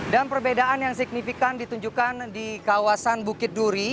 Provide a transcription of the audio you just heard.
dan perbedaan yang signifikan ditunjukkan di kawasan bukit duri